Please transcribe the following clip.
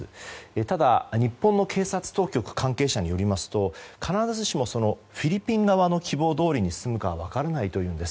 ただ、日本の警察当局関係者によりますと必ずしもフィリピン側の希望どおりに進むかは分からないというんです。